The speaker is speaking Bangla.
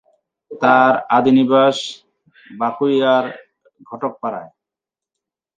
তার আদি নিবাস বাঁকুড়ার ঘটকপাড়ায়।